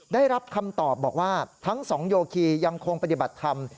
ได้รับคำตอบบอกว่าทั้งสองโยคียังคงปฏิบัติธรรม